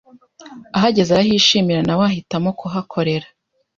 ahageze arahishimira nawe ahitamo kuhakorera